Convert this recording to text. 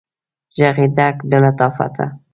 ږغ یې ډک د لطافته